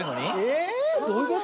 えどういうこと？